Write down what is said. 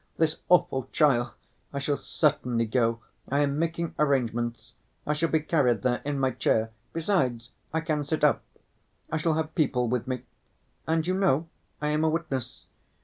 This awful trial ... I shall certainly go, I am making arrangements. I shall be carried there in my chair; besides I can sit up. I shall have people with me. And, you know, I am a witness.